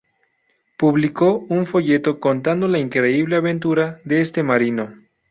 Publicó un folleto contando la increíble aventura de este marino.